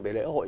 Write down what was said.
về lễ hội